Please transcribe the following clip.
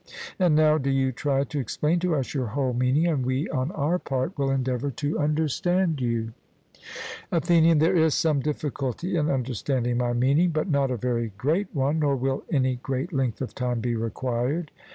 And now do you try to explain to us your whole meaning, and we, on our part, will endeavour to understand you. ATHENIAN: There is some difficulty in understanding my meaning, but not a very great one, nor will any great length of time be required.